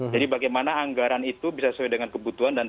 jadi bagaimana anggaran itu bisa sesuai dengan kebutuhan masyarakat